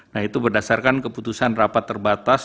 nah itu berdasarkan keputusan rapat terbatas